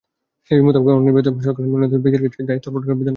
সেই মোতাবেক অনির্বাচিত সরকার মনোনীত ব্যক্তির কাছে দায়িত্ব অর্পণের বিধান করা হয়।